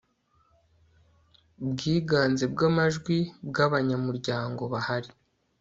bwiganze bw amajwi bw abanyamuryango bahari